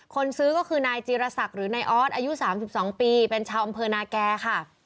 คนซื้อก็คือนายจีรศักดิ์หรือนายออสอายุ๓๒ปีเป็นชาวอำเภอนาแก่ค่ะ